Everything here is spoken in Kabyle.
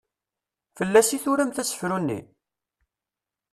Fell-as i turamt asefru-nni?